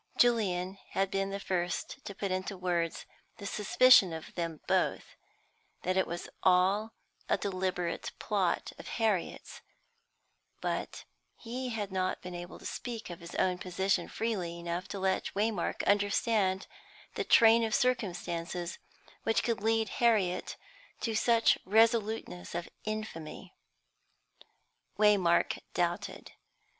Julian had been the first to put into words the suspicion of them both, that it was all a deliberate plot of Harriet's; but he had not been able to speak of his own position freely enough to let Waymark understand the train of circumstances which could lead Harriet to such resoluteness of infamy. Waymark doubted.